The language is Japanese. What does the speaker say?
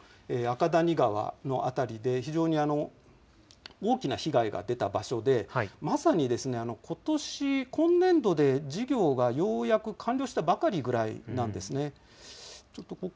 ここは九州北部豪雨のときにもあかだに川の辺りで非常に大きな被害が出た場所で、まさにことし、今年度で事業がようやく完了したばかりぐらいなんですね。